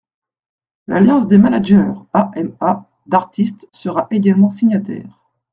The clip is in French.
L’Alliance des managers – AMA – d’artistes sera également signataire.